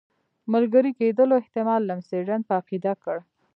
ملګري کېدلو احتمال لمسډن په عقیده کړ.